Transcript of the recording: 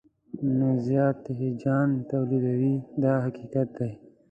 نو زیات هیجان تولیدوي دا حقیقت دی.